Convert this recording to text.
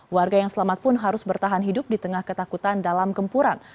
warga yang selamat pun harus bertahan hidup di tengah ketakutan dalam gempuran